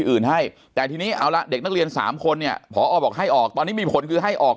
อื่นให้แต่ทีนี้เอาละเด็กนักเรียนสามคนเนี่ยพอบอกให้ออกตอนนี้มีผลคือให้ออก